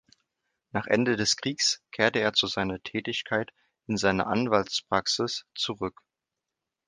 Nach Ende des Kriegs kehrte er zu seiner Tätigkeit in seiner Anwaltspraxis zurück.